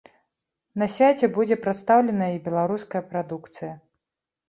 На свяце будзе прадстаўленая і беларуская прадукцыя.